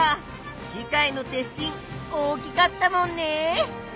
機械の鉄しん大きかったもんね。